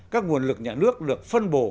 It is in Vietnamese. các nguồn lực nhà nước được phân bổ